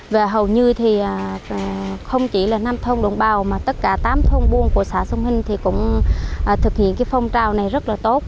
và hầu như thì không chỉ là năm thông đồng bào mà tất cả tám thông buôn của xã sông hinh thì cũng thực hiện cái phong trào này rất là tốt